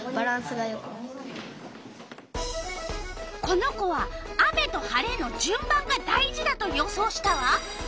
この子は雨と晴れのじゅん番が大事だと予想したわ。